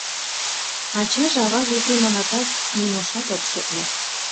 — Ачаже-аваже уке манатат, нимошат от шотло.